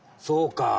そうか！